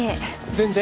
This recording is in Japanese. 全然？